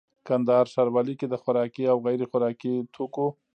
کندهار ښاروالي کي د خوراکي او غیري خوراکي توکو